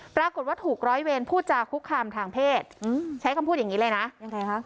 ปรากฏว่าถูกร้อยเวรพูดจาคุกคามทางเพศใช้คำพูดอย่างนี้เลยนะยังไงคะ